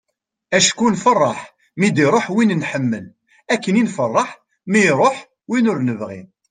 acku nfeṛṛeḥ mi d-iruḥ win nḥemmel akken i nfeṛṛeḥ mi iruḥ win ur nebɣi